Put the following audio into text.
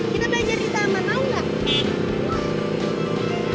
kita belajar di taman mau nggak